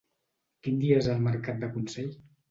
Quin dia és el mercat de Consell?